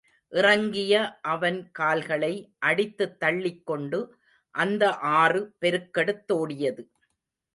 இறங்கிய அவன் கால்களை அடித்துத் தள்ளிக் கொண்டு அந்த ஆறு பெருக்கெடுத்தோடியது.